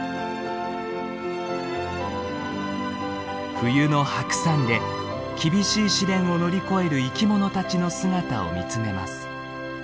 冬の白山で厳しい試練を乗り越える生きものたちの姿を見つめます。